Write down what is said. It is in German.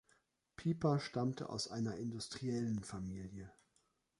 Pieper stammte aus einer Industriellenfamilie.